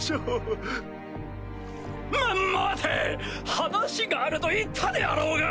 話があると言ったであろうが！